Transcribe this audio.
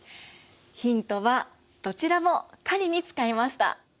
ヒントはどちらも狩りに使いました。